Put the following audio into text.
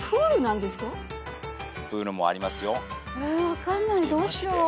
分かんないどうしよう。